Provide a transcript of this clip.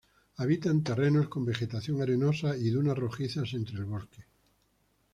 Habita en terrenos con vegetación arenosa y dunas rojizas entre el bosque.